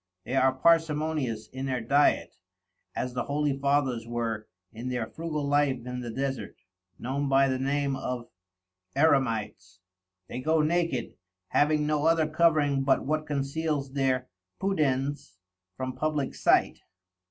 They are parsimonious in their Diet, as the Holy Fathers were in their frugal life in the Desert, known by the name of Eremites. They go naked, having no other Covering but what conceals their Pudends from publick sight.